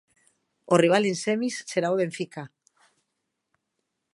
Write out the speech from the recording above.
O rival en semis será o Benfica.